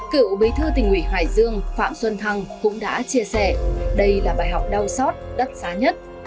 cựu bế thư tình ủy hải dương phạm xuân thăng cũng đã chia sẻ đây là bài học đau xót đất xá nhất